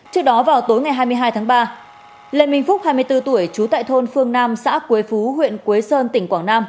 trước đó vào tối ngày hai mươi hai tháng ba lê minh phúc hai mươi bốn tuổi trú tại thôn phương nam xã quế phú huyện quế sơn tỉnh quảng nam